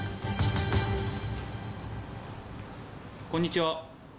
・こんにちは。